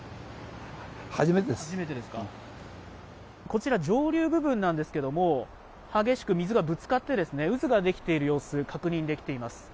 こちら、上流部分なんですけど、激しく水がぶつかって、渦が出来ている様子、確認できています。